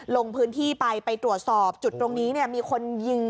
ลงพื้นที่ไปไปตรวจสอบจุดตรงนี้มีคนยิง